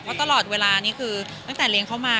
เพราะตลอดเวลานี้คือตั้งแต่เลี้ยงเข้ามา